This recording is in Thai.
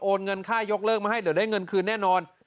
เงินค่ายกเลิกมาให้เดี๋ยวได้เงินคืนแน่นอน